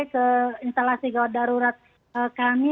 ke instalasi gawat darurat kami